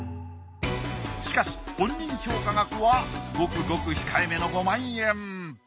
しかし本人評価額はごくごく控え目の５万円。